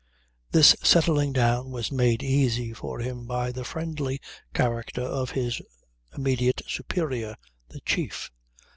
This settling down was made easy for him by the friendly character of his immediate superior the chief.